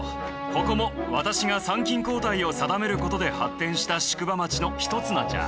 ここも私が参勤交代を定める事で発展した宿場町の一つなんじゃ。